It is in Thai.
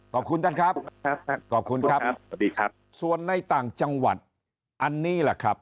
ขอบคุณท่านครับครับขอบคุณครับสวัสดีครับส่วนในต่างจังหวัดอันนี้แหละครับ